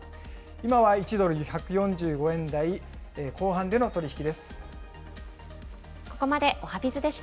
今は１ドル１４５円台後半での取り引きです。